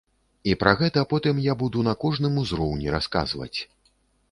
І пра гэта потым я буду на кожным узроўні расказваць.